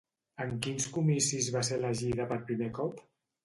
En quins comicis va ser elegida per primer cop?